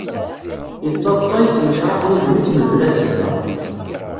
Yettaḍsa, yettnecraḥ wudem-is mebla sebba.